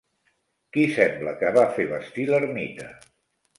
Qui sembla que va fer vestir l'ermita?